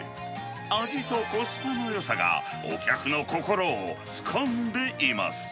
味とコスパのよさがお客の心をつかんでいます。